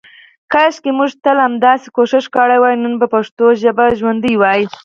کاشکې مونږ تل همداسې کوشش کړی وای نن به پښتو ژابه ژوندی وی.